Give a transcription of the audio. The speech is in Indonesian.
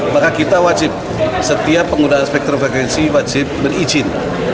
maka kita wajib setiap pengguna spektrum frekuensi wajib berizin